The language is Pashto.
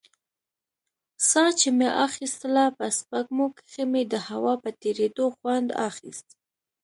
ساه چې مې اخيستله په سپږمو کښې مې د هوا په تېرېدو خوند اخيست.